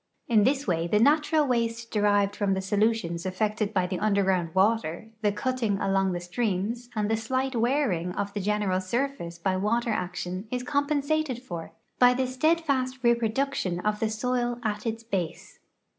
In this way the natural waste derived from the solutions effected by the underground water, the cutting along the streams, and the slight wearing of the general surface by water action is compen sated for by the steadfast reproduction of the soil at its base.